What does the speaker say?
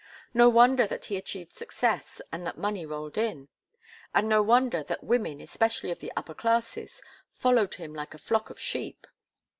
No wonder that he achieved success and that money rolled in! And no wonder that women, especially of the upper classes, followed him like a flock of sheep!